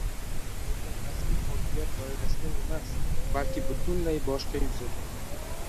bo‘lgan rasmiy hokimiyat doirasida emas, balki butunlay boshqa yuzada –